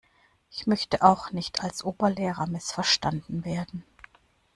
Ich möchte auch nicht als Oberlehrer missverstanden werden.